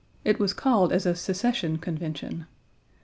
It was called as a Secession Convention.